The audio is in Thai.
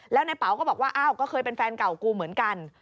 แล้วในเป๋าก็บอกว่าอ้าวก็เคยเป็นแฟนเก่ากูเหมือนกัน